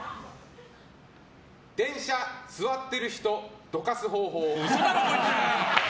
電車、座ってる人、どかす方法。